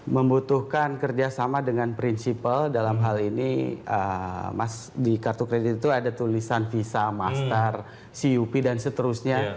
membutuhkan kerjasama dengan prinsipal dalam hal ini di kartu kredit itu ada tulisan visa mastar cup dan seterusnya